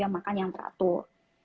makan yang teratur